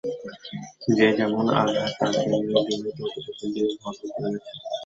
যে যেমন আধার, তাঁকে তিনি ততটুকু দিয়ে ভরপুর করে গেছেন।